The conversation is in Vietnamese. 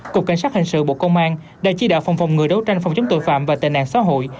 cục cảnh sát hình sự bộ công an đã chi đạo phòng phòng ngừa đấu tranh phòng chống tội phạm và tệ nạn xã hội